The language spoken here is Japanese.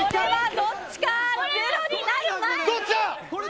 どっちだ。